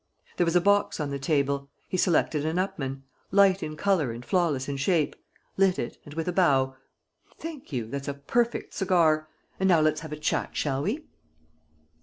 There was a box on the table: he selected an Upmann, light in color and flawless in shape, lit it and, with a bow: "Thank you! That's a perfect cigar. And now let's have a chat, shall we?"